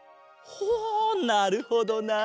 ほうなるほどなあ。